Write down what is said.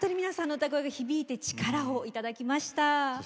皆さんの歌が響いて力をいただきました。